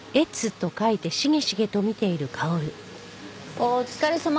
お疲れさま。